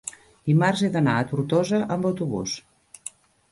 dimarts he d'anar a Tortosa amb autobús.